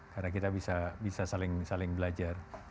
karena kita bisa saling belajar